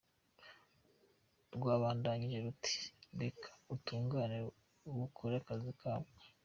Rwabandanije ruti: "Reka ubutungane bukore akazi kabwo.